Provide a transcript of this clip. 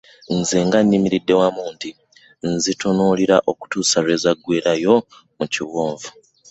Nze nga nyimiridde wamu nti nzitunuulira okutuusa lwe zaggweerayo mu kiwonvu.